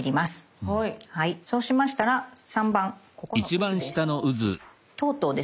そうしましたら３番ここのうずです。